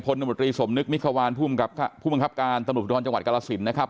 ตมตรีสมนึกมิควานผู้บังคับการตำรวจภูทรจังหวัดกรสินนะครับ